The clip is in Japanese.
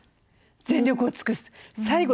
全力を尽くす」。